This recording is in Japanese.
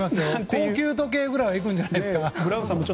高級時計ぐらいいくんじゃないですか。